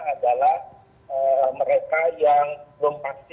adalah mereka yang belum pasti